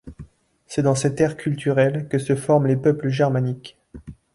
C'est dans cette aire culturelle que se forment les peuples germaniques.